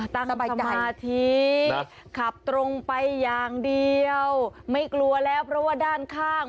ตั้งสมาธิขับตรงไปอย่างเดียวไม่กลัวแล้วเพราะว่าด้านข้าง